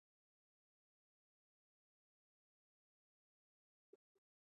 هغه ممپلي په رېړۍ واچول. .